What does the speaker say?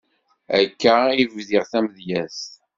Akka i d-bdiɣ tamedyazt.